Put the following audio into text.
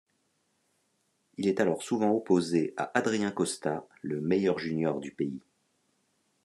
Il est alors souvent opposé à Adrien Costa le meilleur junior du pays.